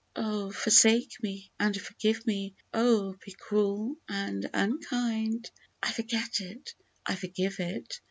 Oh ! forsake me, and forget me, Oh ! be cruel and unkind j I forget it — I forgive it